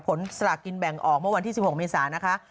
สลากกินแบ่งออกเมื่อวันที่๑๖เมษานะคะ